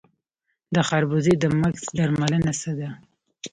د خربوزې د مګس درملنه څه ده؟